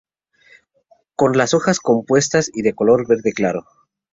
Con las hojas compuestas y de color verde claro.